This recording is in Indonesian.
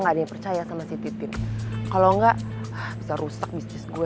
nggak percaya sama si titip kalau enggak bisa rusak bisnis gue